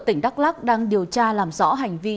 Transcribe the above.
tỉnh đắk lắc đang điều tra làm rõ hành vi